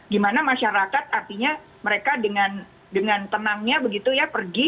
gimana masyarakat artinya mereka dengan tenangnya begitu ya pergi